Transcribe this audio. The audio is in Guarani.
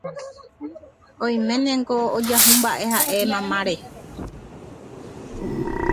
oiménengo ojahúmba'e ha'e mamáre